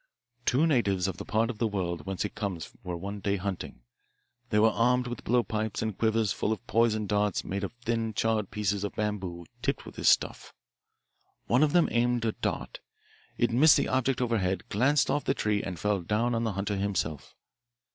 Two natives of the part of the world whence it comes were one day hunting. They were armed with blowpipes and quivers full of poisoned darts made of thin charred pieces of bamboo tipped with this stuff. One of them aimed a dart. It missed the object overhead, glanced off the tree, and fell down on the hunter himself.